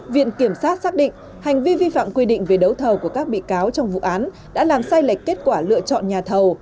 viện kiểm sát xác định hành vi vi phạm quy định về đấu thầu của các bị cáo trong vụ án đã làm sai lệch kết quả lựa chọn nhà thầu